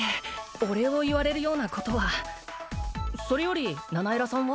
お礼を言われるようなことはそれよりナナエラさんは？